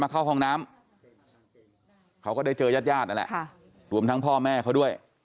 มาเข้าห้องน้ำเขาก็ได้เจอยาดนั่นแหละค่ะรวมทั้งพ่อแม่เขาด้วย